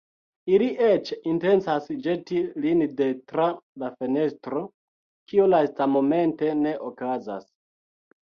Ili eĉ intencas ĵeti lin de tra la fenestro, kio lastmomente ne okazas.